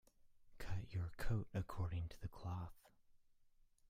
Cut your coat according to the cloth.